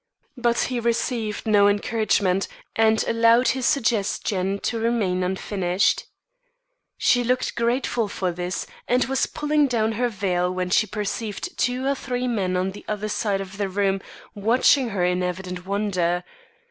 But he received no encouragement, and allowed his suggestion to remain unfinished. She looked grateful for this, and was pulling down her veil when she perceived two or three men on the other side of the room, watching her in evident wonder.